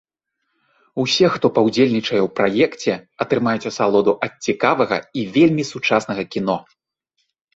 Усе, хто паўдзельнічае ў праекце, атрымаюць асалоду ад цікавага і вельмі сучаснага кіно.